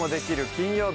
金曜日」